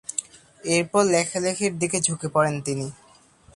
এরপর লেখালেখির দিকে ঝুঁকে পড়েন তিনি।